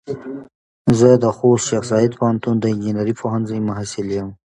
زه د خوست شیخ زايد پوهنتون د انجنیري پوهنځۍ محصل يم.